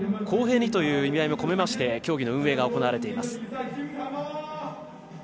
公平にという意味合いを込めまして競技の運営が行われています。